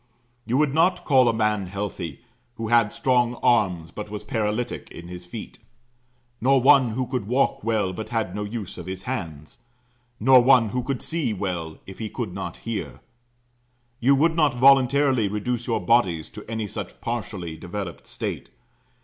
You would not call a man healthy who had strong arms but was paralytic in his feet; nor one who could walk well, but had no use of his hands; nor one who could see well, if he could not hear. You would not voluntarily reduce your bodies to any such partially developed state.